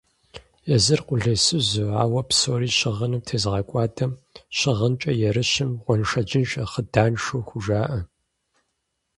Езыр къулейсызу, ауэ псори щыгъыным тезыгъэкӀуадэм, щыгъынкӀэ ерыщым гъуэншэджыншэ хъыданшу хужаӀэ.